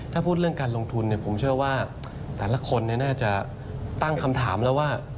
ถ้าพูดเรื่องการลงทุนผมเชื่อว่าแต่ละคนน่าจะตั้งคำถามแล้วว่า